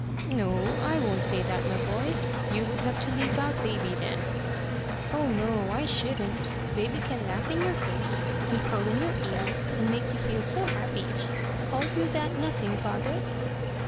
"No, I won't say that, my boy. You would have to leave out baby then." "Oh no, I shouldn't. Baby can laugh in your face, and crow in your ears, and make you feel so happy. Call you that nothing, father?"